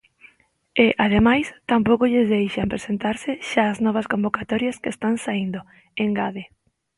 E, ademais, tampouco lles deixan presentarse xa ás novas convocatorias que están saíndo, engade.